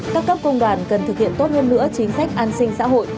các cấp công đoàn cần thực hiện tốt hơn nữa chính sách an sinh xã hội